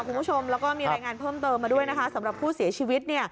คุณผู้ชมแล้วก็มีรายงานเพิ่มเติมมาด้วยนะคะสำหรับผู้เสียชีวิต